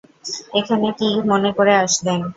এখানে কী মনে করে আসলেন?